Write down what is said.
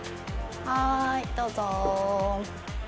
はーいどうぞ。